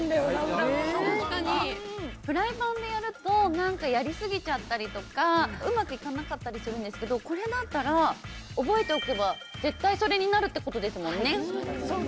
フライパンでやるとやり過ぎちゃったりとかうまくいかなかったりするんですけどこれだったら覚えておけば絶対それになるってことですもんね？